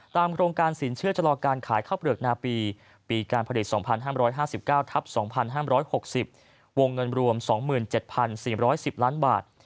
โครงการสินเชื่อชะลอการขายข้าวเปลือกนาปีปีการผลิต๒๕๕๙ทับ๒๕๖๐วงเงินรวม๒๗๔๑๐ล้านบาท